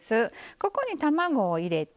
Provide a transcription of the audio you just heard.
ここに卵を入れて。